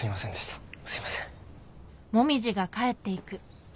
すいません。